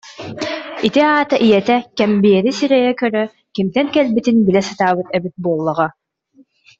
Ити аата ийэтэ кэмбиэри сирийэ көрө, кимтэн кэлбитин билэ сатаабыт эбит буоллаҕа